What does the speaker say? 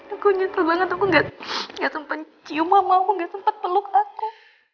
aku nyesel banget aku nggak sempet cium sama aku nggak sempet peluk aku